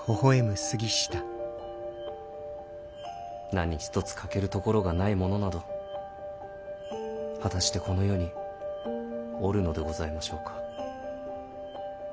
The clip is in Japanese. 何一つ欠けるところがない者など果たしてこの世におるのでございましょうか？